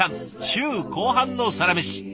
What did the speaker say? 週後半のサラメシ。